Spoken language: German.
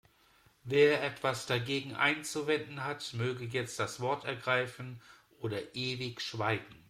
Wer etwas dagegen einzuwenden hat, möge jetzt das Wort ergreifen oder ewig schweigen.